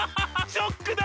ショックだろ！？